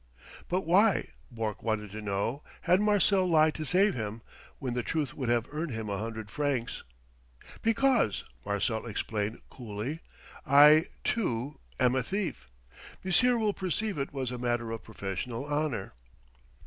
But why Bourke wanted to know had Marcel lied to save him, when the truth would have earned him a hundred francs? "Because," Marcel explained coolly, "I, too, am a thief. Monsieur will perceive it was a matter of professional honour."